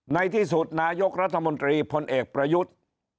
ในที่สุดนายกรัฐมนตรีพลเอกประยุทธ์